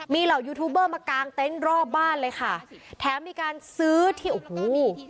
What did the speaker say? มีเหล่ายูทูบเบอร์มากางเต็นต์รอบบ้านเลยค่ะแถมมีการซื้อที่โอ้โห